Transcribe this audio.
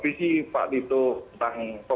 visi pak lito tentang pemulisan demokrasi